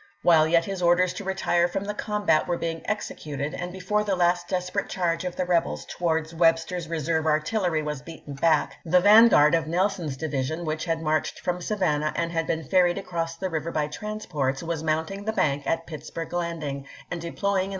While ch. xvin. yet his orders to retire from the combat were being executed, and before the last desperate charge of the rebels towards Webster's reserve artillery was beaten back, the vanguard of Nelson's division, which had marched from Savannah and had been ferried across the river by transports, was mounting the bank at Pittsburg Landing and deploying in Api.